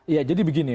ya jadi begini